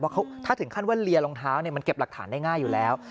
ถ้าถึงขั้นว่าเลียรองเท้ามันเก็บหลักฐานได้ง่ายอยู่แล้ว